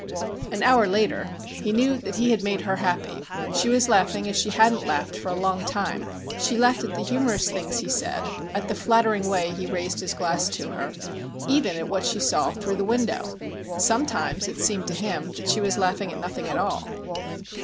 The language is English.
An hour later he knew that he had made her happy. She was laughing as she hadn't laughed for a long time. She laughed at the humorous things he said, at the flattering way he raised his glass to her, even at what she saw through the window. Sometimes it seemed to him that she was laughing at nothing at all.